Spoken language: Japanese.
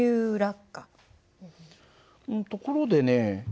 ところでね